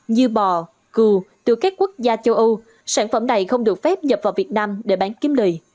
như bò cưu từ các quốc gia châu âu sản phẩm này không được phép nhập vào việt nam để bán kiếm lời